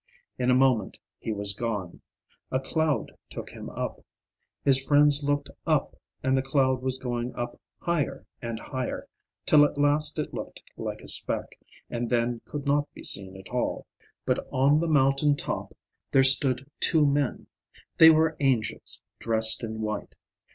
In a moment he was gone a cloud took him up. His friends looked up, and the cloud was going up higher and higher, till at last it looked like a speck, and then could not be seen at all. But on the mountain top there stood two men; they were angels, dressed in white.